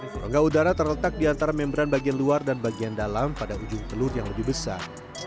warga udara terletak di antara membran bagian luar dan bagian dalam pada ujung telur yang lebih besar